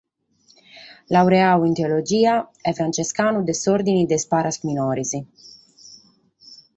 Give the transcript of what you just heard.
Laureadu in teologia, est frantziscanu de s’Òrdine de sos Paras Minores.